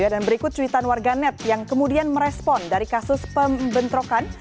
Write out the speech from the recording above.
dan berikut cuitan warganet yang kemudian merespon dari kasus pembentrokan